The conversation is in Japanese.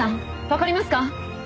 分かりますか？